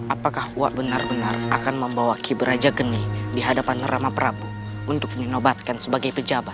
apakah uak benar benar akan membawa kibra jakening di hadapan rama prabu untuk dinobatkan sebagai pejabat